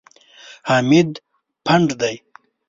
حمید پنډ دی.